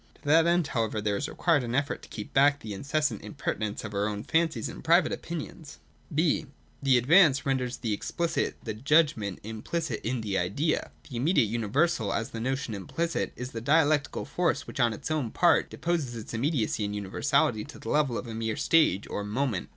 To that 238 241.J THE ABSOLUTE IDEA. ^11 end, however, there is required an effort to keep back the incessant impertinence of our own fancies and private opinions. 239.] (b) The Advance renders explicit the judgment implicit in the Idea. The immediate universal, as the notion implicit, is the dialectical force which on its own part deposes its immediacy and universality to the level of a mere stage or 'moment.'